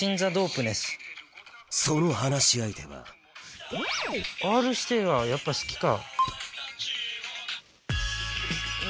その話し相手はＲ−指定がやっぱ好きか。